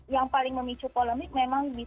yang paling memicu polemik memang